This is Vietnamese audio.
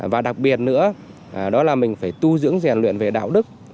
và đặc biệt nữa đó là mình phải tu dưỡng rèn luyện về đạo đức